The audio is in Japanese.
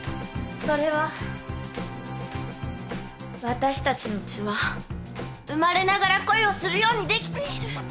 それは「私たちの血は生まれながら恋をするようにできている」